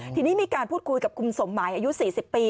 ทีนี้มีการพูดคุยกับคุณสมหมายอายุ๔๐ปี